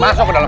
masuk ke dalam